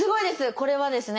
これはですね